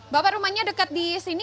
bapak rumahnya dekat di sini